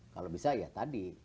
kalau bisa ya tadi